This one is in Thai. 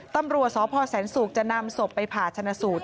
ตำรวจสพแสนศุกร์จะนำศพไปผ่าชนะสูตร